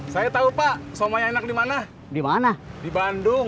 saya tahu pak somai enak dimana dimana di bandung